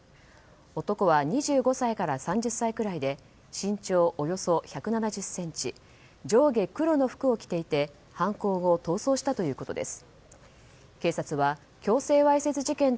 男は２５歳から３０歳ぐらいで身長およそ１７０ｃｍ上下黒の服を着ていて犯行後、逃走したということです。